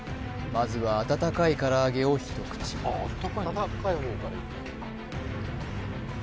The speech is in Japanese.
まずは温かいから揚げを一口うんおっと